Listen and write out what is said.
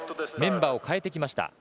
メンバーを変えてきました。